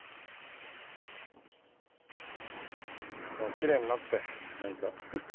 きれいになって何かフフフッ。